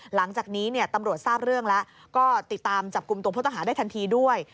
หลังจากนี้ตำรวจทราบเรื่องแล้วก็ติดตามจับกลุ่มตัวผู้ต้องหาได้ทันทีด้วย